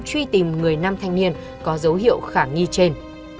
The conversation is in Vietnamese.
truy tìm người nam thanh niên có dấu hiệu khả nghi trên